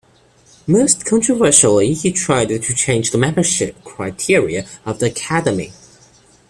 Most controversially, he tried to change the membership criteria of the Academy.